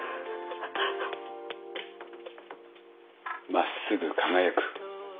真っすぐ輝く。